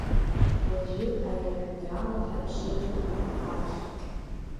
Уажәы, ари ажәеинраала ҳабжьы рдуны ҳаԥхьап.